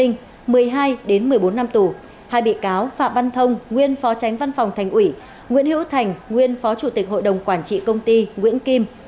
một mươi hai một mươi bốn năm tù hai bị cáo phạm văn thông nguyên phó tránh văn phòng thành ủy nguyễn hữu thành nguyên phó chủ tịch hội đồng quản trị công ty nguyễn kim